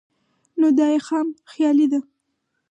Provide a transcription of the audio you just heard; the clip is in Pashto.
نو دا ئې خام خيالي ده